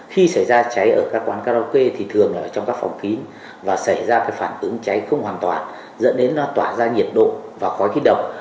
khi xảy ra cháy ở các quán karaoke thì thường ở trong các phòng khí và xảy ra phản ứng cháy không hoàn toàn dẫn đến nó tỏa ra nhiệt độ và khói kích động